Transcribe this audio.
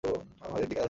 আমাদের দিকে আসছে।